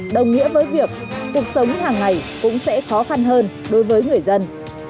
đồng nghĩa với việc cuộc sống hàng ngày cũng sẽ khó khăn hơn đối với người dân